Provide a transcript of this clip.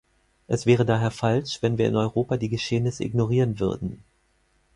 Es wäre daher falsch, wenn wir in Europa die Geschehnisse ignorieren würden.